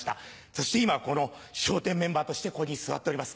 そして今この笑点メンバーとしてここに座っております。